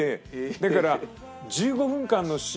だから。